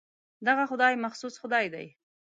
دغه خدای مخصوص خدای دی.